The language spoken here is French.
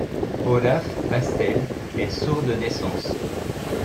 Olaf Hassel est sourd de naissance.